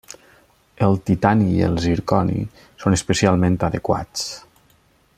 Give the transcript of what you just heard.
El titani i el zirconi són especialment adequats.